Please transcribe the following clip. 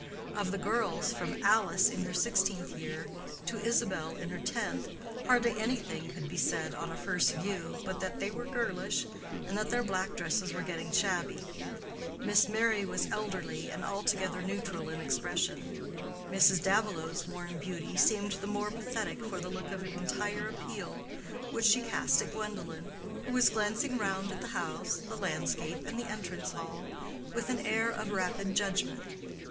Of the girls, from Alice in her sixteenth year to Isabel in her tenth, hardly anything could be said on a first view, but that they were girlish, and that their black dresses were getting shabby. Miss Merry was elderly and altogether neutral in expression. Mrs. Davilow's worn beauty seemed the more pathetic for the look of entire appeal which she cast at Gwendolen, who was glancing round at the house, the landscape and the entrance hall with an air of rapid judgment.